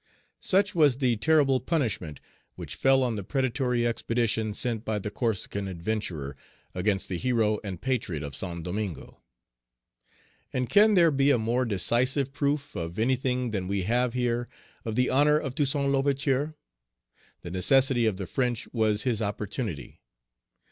Such was the terrible punishment which fell on the predatory expedition sent by the Corsican adventurer against the hero and patriot of Saint Domingo. And can there be a more decisive proof of anything than we have here of the honor of Toussaint L'Ouverture? The necessity of the French was his opportunity.